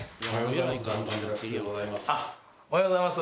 おはようございます。